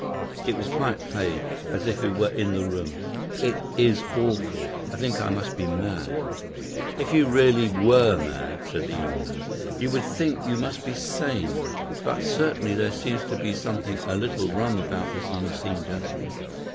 It was quite plain, as if he were in the room. It is awful, I think I must be mad." "If you really were mad," said the young man, "you would think you must be sane. But certainly there seems to me to be something a little rum about this unseen gentleman.